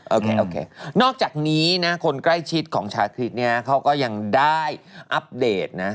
โอเคโอเคนอกจากนี้นะคนใกล้ชิดของชาคริสเนี่ยเขาก็ยังได้อัปเดตนะ